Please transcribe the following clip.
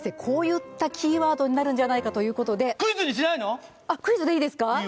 こういったキーワードになるんじゃないかということであっクイズでいいですか？